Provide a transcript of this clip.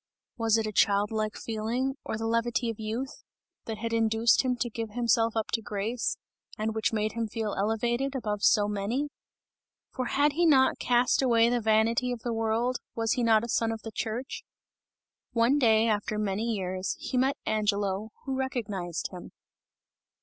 Was it a childlike feeling, or the levity of youth, that had induced him to give himself up to grace, and which made him feel elevated above so many? For had he not cast away the vanity of the world, was he not a son of the church? One day, after many years, he met Angelo, who recognized him.